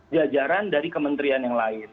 jajaran dari kementerian yang lain